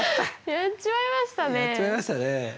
やっちまいましたねえ。